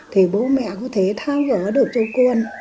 thì bố mẹ có thể thao gỡ được cho con